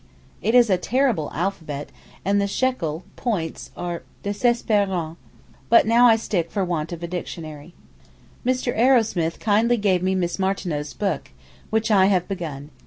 It is a terrible alphabet, and the shekel (points) are désespérants; but now I stick for want of a dictionary. Mr. Arrowsmith kindly gave me Miss Martineau's book, which I have begun.